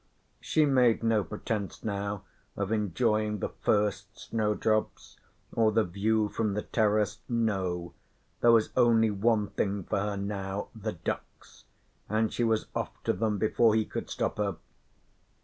She made no pretence now of enjoying the first snowdrops or the view from the terrace. No there was only one thing for her now the ducks, and she was off to them before he could stop her.